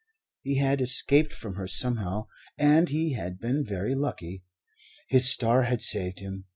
He had escaped from her somehow, and he had been very lucky. His star had saved him.